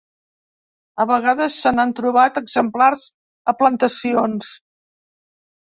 A vegades se n'han trobat exemplars a plantacions.